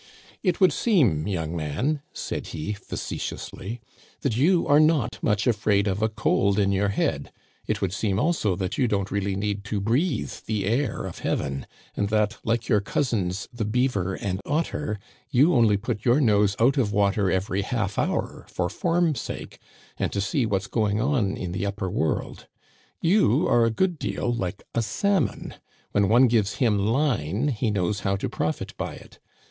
"It would seem, young man," said he facetiously, " that you are not much afraid of a cold in your head. It would seem, also, that you don't really need to breathe the air of heaven, and that, like your cousins the beaver and otter, you only put your nose out of water every half hour, for form sake, and to see what's going on in the upper world. You are a good deal like a salmon — when one gives him line he knows how to profit by it.